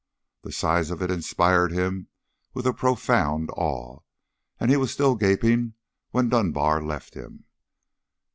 The size of it inspired him with a profound awe, and he was still gaping when Dunbar left him.